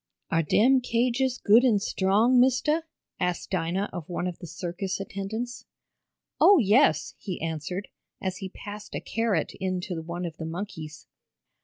"Are dem cages good an' strong, mistah?" asked Dinah of one of the circus attendants. "Oh, yes," he answered, as he passed a carrot in to one of the monkeys.